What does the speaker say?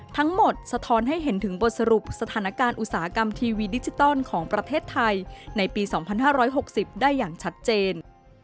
สะท้อนให้เห็นถึงบทสรุปสถานการณ์อุตสาหกรรมทีวีดิจิตอลของประเทศไทยในปี๒๕๖๐ได้อย่างชัดเจน